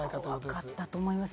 怖かったと思います。